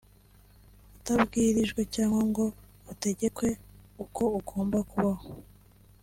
utabwirijwe cyangwa ngo utegekwe uko ugomba kubaho